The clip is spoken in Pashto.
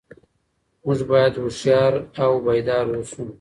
موږ باید هوښیار او بیدار اوسو.